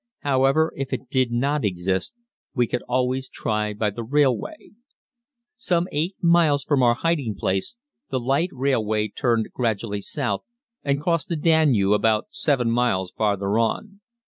However, if it did not exist, we could always try by the railway. Some 8 miles from our hiding place the light railway turned gradually south and crossed the Danube about 7 miles farther on.